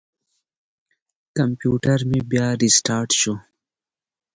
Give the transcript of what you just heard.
کمپیوټر مې بیا ریستارټ شو.